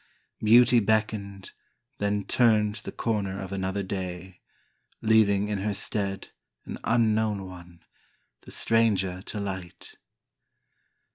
Beauty beckoned, Then turned the corner of another day Leaving in her stead An unknown one, The stranger to light.